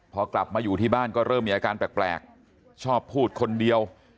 พอกลับมาอยู่ที่บ้านก็เริ่มมีอาการแปลกชอบพูดคนเดียว